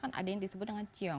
kan ada yang disebut dengan ciong